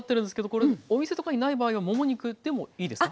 これお店とかにない場合はもも肉でもいいですか？